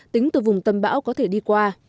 tính từ vùng tâm bão có thể đi qua